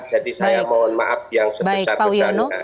jadi saya mohon maaf yang sebesar besar